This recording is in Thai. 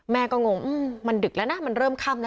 แม่ก็งงมันดึกแล้วนะมันเริ่มค่ำนะ